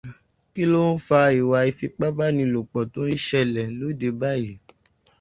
Kí ló ń fa ìwà Ífipábánilòpọ̀ tó ń ṣẹlẹ̀ lóde báyìí?